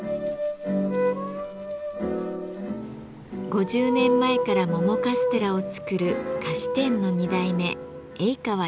５０年前から桃カステラを作る菓子店の２代目永川洋さん。